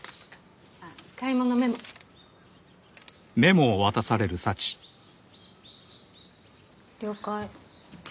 あっ買い物メモ了解